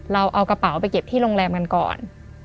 เราเอากระเป๋าไปเก็บที่โรงแรมกันก่อน